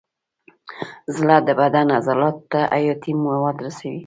زړه د بدن عضلاتو ته حیاتي مواد رسوي.